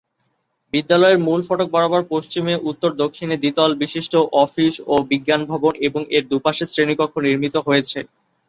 বিদ্যালয়ের মূল ফটক বরাবর পশ্চিমে উত্তর-দক্ষিণে দ্বিতল বিশিষ্ট অফিস ও বিজ্ঞান ভবন এবং এর দুপাশে শ্রেণিকক্ষ নির্মিত হয়েছে।